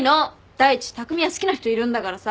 第一匠は好きな人いるんだからさ。